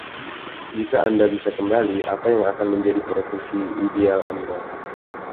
Jika Anda bisa kembali, apa yang akan menjadi profesi ideal Anda?